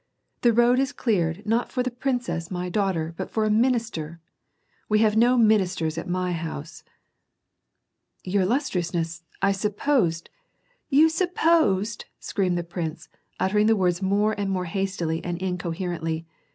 " The road is cleared, not for the princess, my daughter, but for a minister ! We have no ministers at my house "" Your illustriousness, I supposed "— *'You supposed," screamed the prince, uttering the words more and more hastily and incoherently.